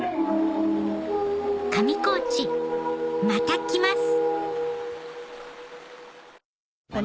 上高地また来ます！